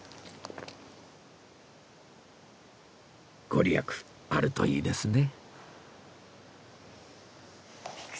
御利益あるといいですね